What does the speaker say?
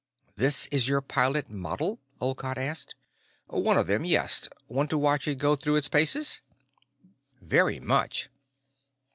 "This is your pilot model?" Olcott asked. "One of them, yes. Want to watch it go through its paces?" "Very much."